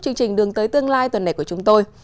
chương trình đường tới tương lai tuần này của chúng tôi